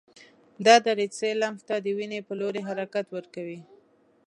دا دریڅې لمف ته د وینې په لوري حرکت ورکوي.